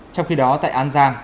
trong khi đó tại an giang